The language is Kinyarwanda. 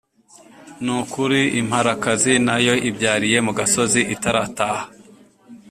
Ni ukuri imparakazi na yo ibyariye mu gasozi itarataha